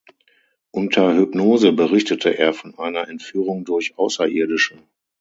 Unter Hypnose berichtete er von einer Entführung durch Außerirdische.